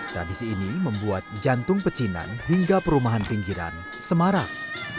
tradisi ini membuat jantung pecinan hingga perumahan pinggiran semarang